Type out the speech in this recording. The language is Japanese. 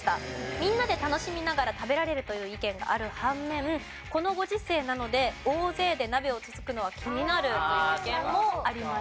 みんなで楽しみながら食べられるという意見がある反面このご時世なので大勢で鍋をつつくのは気になるという意見もありました。